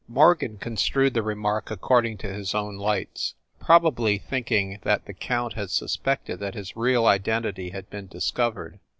Morgan construed the remark according to his own lights, probably thinking that the count had suspected that his real identity had been discovered.